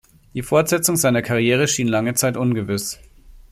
Die Fortsetzung seiner Karriere schien lange Zeit ungewiss.